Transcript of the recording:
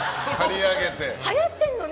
はやってるのね。